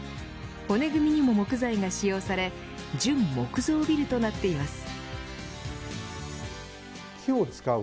骨組みにも木材が使用され純木造ビルとなっています。